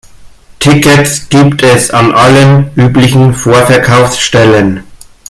Tickets gibt es an allen üblichen Vorverkaufsstellen.